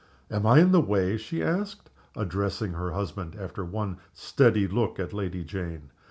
"Am I in the way?" she asked, addressing her husband, after one steady look at Lady Jane.